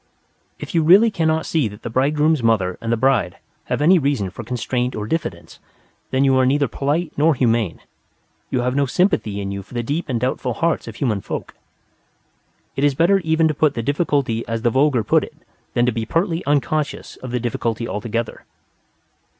If you really cannot see that the bridegroom's mother and the bride have any reason for constraint or diffidence, then you are neither polite nor humane: you have no sympathy in you for the deep and doubtful hearts of human folk." It is better even to put the difficulty as the vulgar put it than to be pertly unconscious of the difficulty altogether.